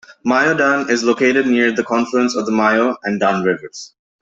Mayodan is located near the confluence of the Mayo and Dan Rivers.